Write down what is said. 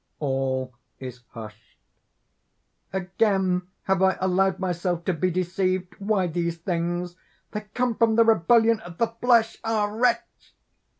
All is hushed._) "Again have I allowed myself to be deceived! Why these things? They come from the rebellion of the flesh. Ah! wretch!"